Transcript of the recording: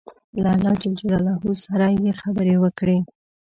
له الله جل جلاله سره یې خبرې وکړې.